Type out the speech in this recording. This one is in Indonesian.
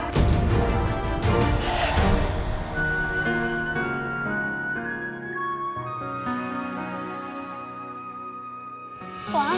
kau akan lupain